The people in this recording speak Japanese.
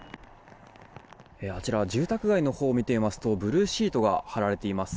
あちら、住宅街を見るとブルーシートが張られています。